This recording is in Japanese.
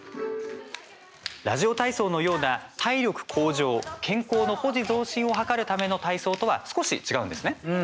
ラジオ体操のような体力向上健康の保持増進を図るための体操とは少し違うんですね。